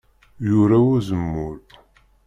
Yurew uzemmur.